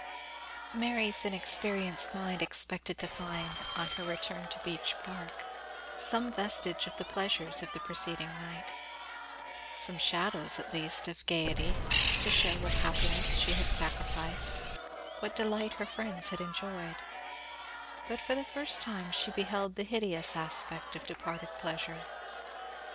MARY'S inexperienced mind expected to find, on her return to Beech Park, some vestige of the pleasures of the preceding night some shadows, at least, of gaiety, to show what happiness she had sacrificed what delight her friends had enjoyed; but for the first time she beheld the hideous aspect of departed pleasure.